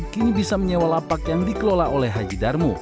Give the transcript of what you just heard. kini bisa menyewa lapak yang dikelola oleh haji darmu